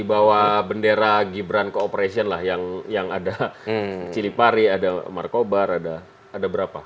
bawa bendera gibran cooperation lah yang ada cilipari ada marco bar ada berapa